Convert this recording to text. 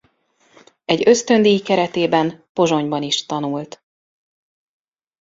Egy ösztöndíj keretében Pozsonyban is tanult.